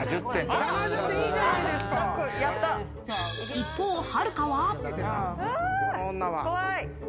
一方、はるかは。